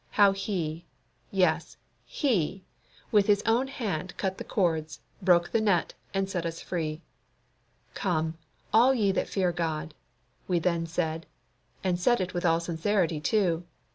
How He, yes, HE, with His own hand cut the cords, broke the net, and set us free! Come, all ye that fear God! we then said, and said it with all sincerity too.